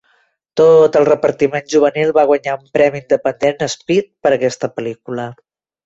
Tot el repartiment juvenil va guanyar un Premi Independent Spirit per aquesta pel·lícula.